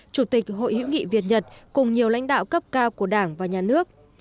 chủ tịch hội hữu nghị việt nhật cùng nhiều lãnh đạo cấp cao của đảng và nhà nước